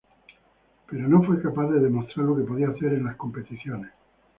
Pero no fue capaz de demostrar lo que podía hacer en las competiciones.